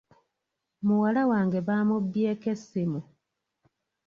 Muwala wange baamubbyeko essimu.